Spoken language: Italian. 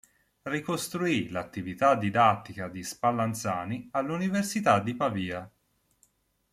Ricostruì l'attività didattica di Spallanzani all'Università di Pavia.